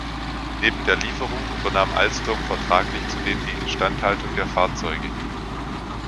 Neben der Lieferung übernahm Alstom vertraglich zudem die Instandhaltung der Fahrzeuge.